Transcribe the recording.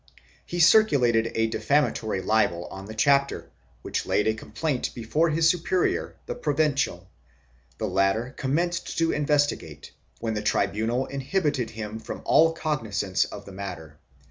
He circulated a defamatory libel on the chapter which laid a complaint before his superior, the Provincial; the latter commenced to investigate, when the tribunal inhibited him from all cognizance of the matter.